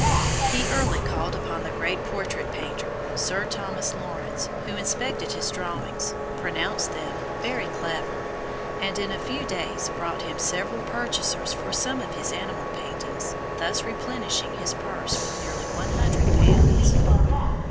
He early called upon the great portrait painter, Sir Thomas Lawrence, who inspected his drawings, pronounced them "very clever," and, in a few days, brought him several purchasers for some of his animal paintings, thus replenishing his purse with nearly one hundred pounds.